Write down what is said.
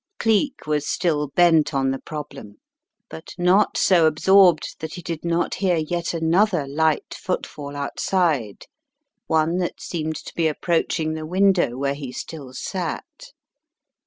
Cleek was still bent on the problem, but not so absorbed that he did not hear yet another light footfall outside, one that seemed to be approaching the window where he still sat.